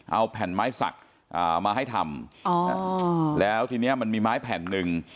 เอาแผ่นไม้สักมาให้ทำแล้วทีนี้มันมีไม้แผ่นหนึ่ง